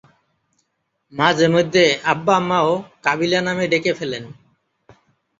মাঝেমধ্যে আব্বা–আম্মাও কাবিলা নামে ডেকে ফেলেন...